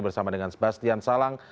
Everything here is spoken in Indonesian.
bersama dengan sebastian salang